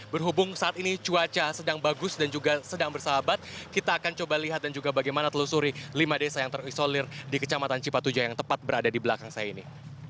berhubung saat ini cuaca sedang bagus dan juga sedang bersahabat kita akan coba lihat dan juga bagaimana telusuri lima desa yang terisolir di kecamatan cipatujah yang tepat berada di belakang saya ini